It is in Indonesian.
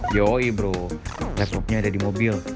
yoi bro laptopnya ada di mobil